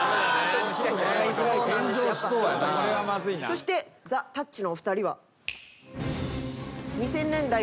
そしてザ・たっちのお二人は。